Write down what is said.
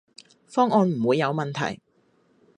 方案唔會有問題